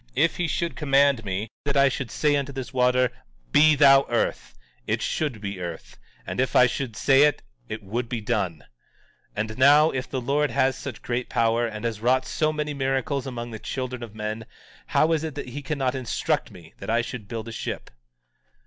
If he should command me that I should say unto this water, be thou earth, it should be earth; and if I should say it, it would be done. 17:51 And now, if the Lord has such great power, and has wrought so many miracles among the children of men, how is it that he cannot instruct me, that I should build a ship?